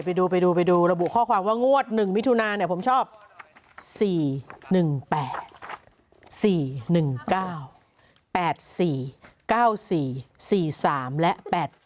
ไปดูระบุข้อความว่างวด๑มิถุนา